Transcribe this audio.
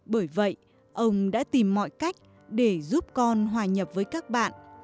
bởi vậy ông đã tìm mọi cách để giúp con hòa nhập với các bạn